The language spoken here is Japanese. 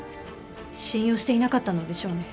信用していなかったのでしょうね。